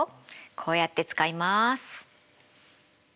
こうやって使います。